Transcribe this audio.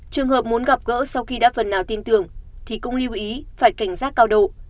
trường hợp muốn gặp gỡ sau khi đã phần nào tin tưởng thì cũng lưu ý phải cảnh giác cao độ